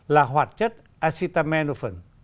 là hoạt chất acetaminophen